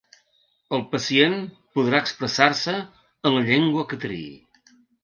El pacient podrà expressar-se en la llengua que triï.